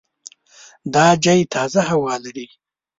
دا ځای تازه هوا لري.